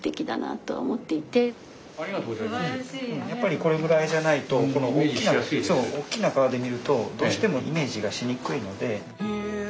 やっぱりこれぐらいじゃないとこのおっきな革で見るとどうしてもイメージがしにくいので。